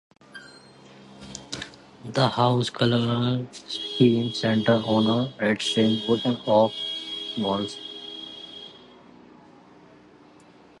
The house's basic color scheme centers on red-stained wood and ochre walls.